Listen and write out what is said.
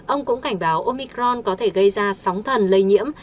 ông cũng cảnh báo omicron có thể gây ra sóng thần lây nhiễm